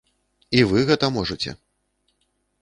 І вы гэта можаце.